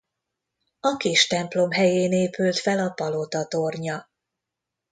A kis templom helyén épült fel a palota tornya.